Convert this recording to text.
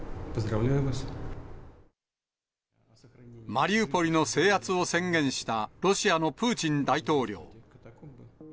マリウポリの制圧を宣言したロシアのプーチン大統領。